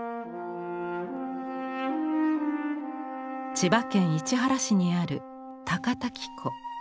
千葉県市原市にある高滝湖。